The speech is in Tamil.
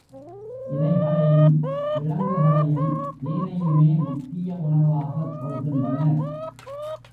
இலைகளையும், கிழங்குகளையும் தேனையுமே முக்கிய உணவாகக் கொள்கின்றனர்.